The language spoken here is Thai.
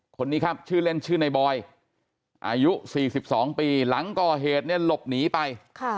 คนนี้ครับชื่อเล่นชื่อในบอยอายุ๔๒ปีหลังก่อเหตุเนี่ยหลบหนีไป